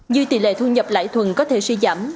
như tỷ lệ thu nhập lãi thuần có thể suy giảm